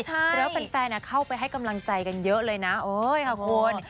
ใช่รับเป็นแฟนเข้าไปให้กำลังใจกันเยอะเลยนะโอ้ยขอบคุณ